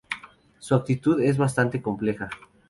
Su actitud es bastante compleja.